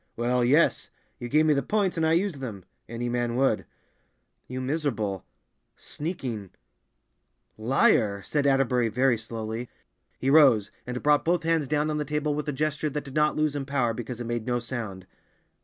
"Well, yes. You gave me the points, and I used them; any man would." "You miserable—sneaking—liar!" said Atterbury very slowly. He rose, and brought both hands down on the table with a gesture that did not lose in power because it made no sound.